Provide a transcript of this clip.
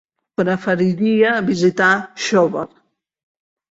Preferiria visitar Xóvar.